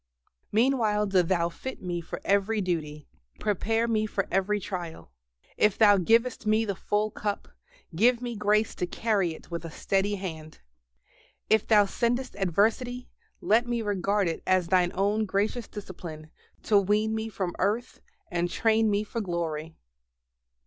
Meanwhile do Thou fit me for every duty, prepare me for every trial. If Thou givest me the "full cup," give me grace to carry it with a steady hand. If Thou sendest adversity, let me regard it as Thine own gracious discipline, to wean me from earth and train me for glory.